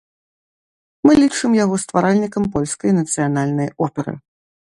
Мы лічым яго стваральнікам польскай нацыянальнай оперы.